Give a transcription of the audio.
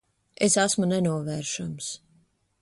Es esmu nenovēršams.